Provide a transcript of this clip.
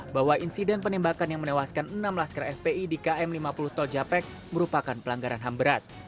bahwa insiden penembakan yang menewaskan enam belas kera fpi di km lima puluh toljapek merupakan pelanggaran hamberat